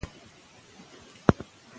او نورې ژبې نه شي زغملی.